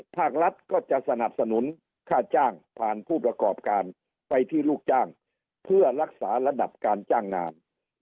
ภาครัฐก็จะสนับสนุนค่าจ้างผ่านผู้ประกอบการไปที่ลูกจ้างเพื่อรักษาระดับการจ้างงาน